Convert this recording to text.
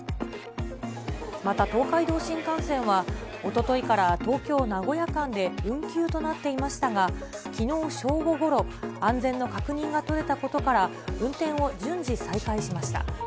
また東海道新幹線は、おとといから東京・名古屋間で運休となっていましたが、きのう正午ごろ、安全の確認が取れたことから、運転を順次再開しました。